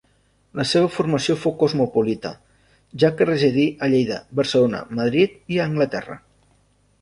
La seva formació fou cosmopolita, ja que residí a Lleida, Barcelona, Madrid i a Anglaterra.